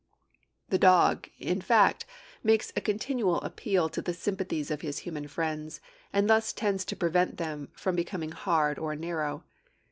The dog, in fact, makes a continual appeal to the sympathies of his human friends, and thus tends to prevent them from becoming hard or narrow.